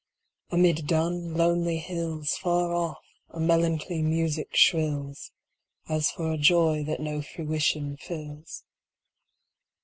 Amid dun, lonely hillsFar off a melancholy music shrills, As for a joy that no fruition fills.